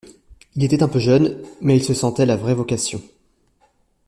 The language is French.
Il était un peu jeune, mais il se sentait la vraie vocation.